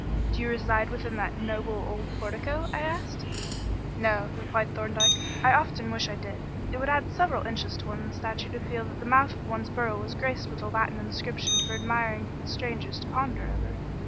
"Do you reside within that noble old portico?" I asked. "No," replied Thorndyke. "I often wish I did. It would add several inches to one's stature to feel that the mouth of one's burrow was graced with a Latin inscription for admiring strangers to ponder over.